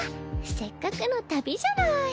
せっかくの旅じゃない。